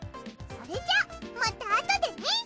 それじゃまたあとでね。